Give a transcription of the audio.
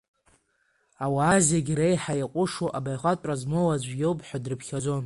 Ауаа зегь реиҳа иҟәышу, абаҩхатәра змоу аӡә иоуп ҳәа дрыԥхьаӡон.